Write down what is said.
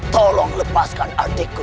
tolong lepaskan adikku